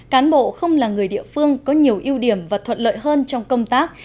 cán bộ không là người địa phương có nhiều ưu điểm và thuận lợi hơn trong công tác